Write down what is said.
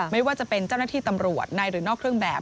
ไม่ว่าจะเป็นเจ้าหน้าที่ตำรวจในหรือนอกเครื่องแบบ